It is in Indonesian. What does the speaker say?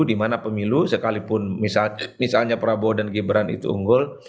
dimana pemilu sekalipun misalnya prabowo dan gibran itu unggul